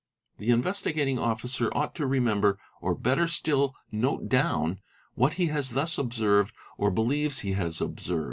The Investigating Officer ought to remember, or better 'still note down, what he has thus observed or believes he has observed.